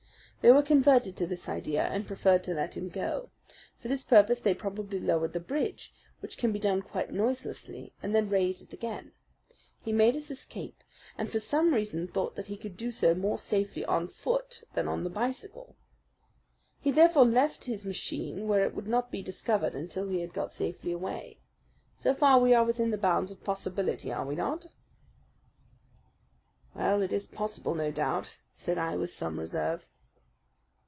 They were converted to this idea, and preferred to let him go. For this purpose they probably lowered the bridge, which can be done quite noiselessly, and then raised it again. He made his escape, and for some reason thought that he could do so more safely on foot than on the bicycle. He therefore left his machine where it would not be discovered until he had got safely away. So far we are within the bounds of possibility, are we not?" "Well, it is possible, no doubt," said I, with some reserve.